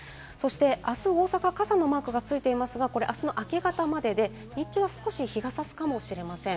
あす、大阪、傘のマークがついていますが、あすの明け方までで日中は少し日が差すかもしれません。